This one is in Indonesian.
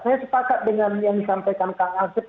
saya sepakat dengan yang disampaikan kang asep